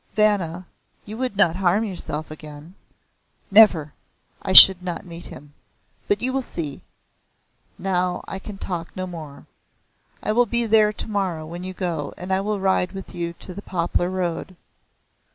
"Vanna, you would not harm yourself again?" "Never. I should not meet him. But you will see. Now I can talk no more. I will be there tomorrow when you go, and I will ride with you to the poplar road."